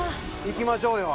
行きましょうよ。